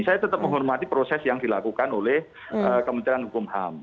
saya tetap menghormati proses yang dilakukan oleh kementerian hukum ham